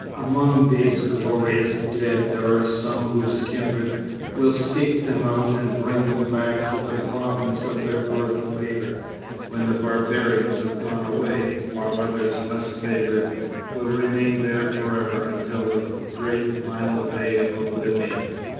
Among these glorious dead there are some whose kindred will seek them out and bring them back to the province of their birth later, when the barbarians have gone away, while others, less favoured, will remain there forever until the great final day of oblivion.